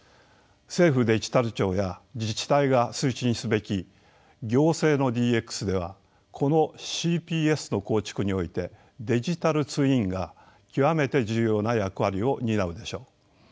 政府デジタル庁や自治体が推進すべき行政のＤＸではこのＣＰＳの構築においてデジタルツインが極めて重要な役割を担うでしょう。